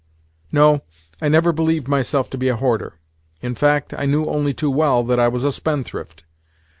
No, I never believed myself to be a hoarder; in fact, I knew only too well that I was a spendthrift.